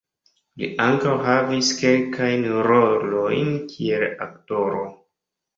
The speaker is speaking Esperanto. Li ankaŭ havis kelkajn rolojn kiel aktoro.